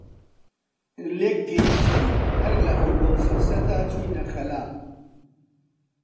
لێک گەیشتین هەر لە ئەووەڵ فرسەتا چووینە خەلا